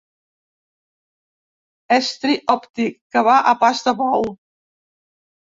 Estri òptic que va a pas de bou.